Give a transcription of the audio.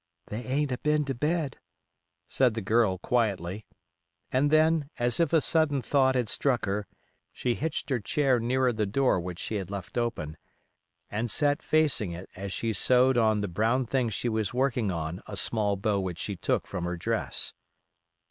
"They ain't a been to bed," said the girl, quietly; and then, as if a sudden thought had struck her, she hitched her chair nearer the door which she had left open, and sat facing it as she sewed on the brown thing she was working on a small bow which she took from her dress.